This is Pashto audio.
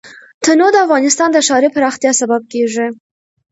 تنوع د افغانستان د ښاري پراختیا سبب کېږي.